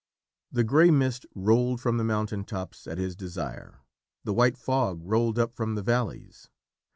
The grey mist rolled from the mountain tops at his desire. The white fog rolled up from the valleys.